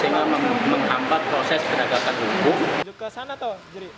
sehingga menghampat proses penagakan hukum